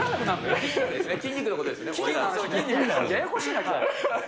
ややこしいな。